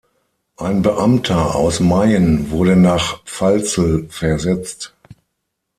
Ein Beamter aus Mayen wurde nach Pfalzel versetzt.